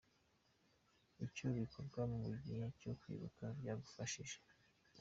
Icyo ibikorwa byo mu gihe cyo kwibuka byabafashije .